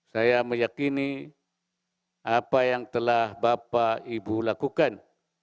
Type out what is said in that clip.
saya meyakini apa yang telah bapak ibu lakukan